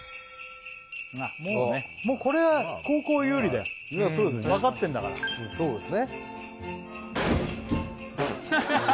もうこれは後攻有利だよ分かってんだからそうですね・プッ！